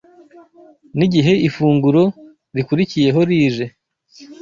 N’igihe ifunguro rikurikiyeho rije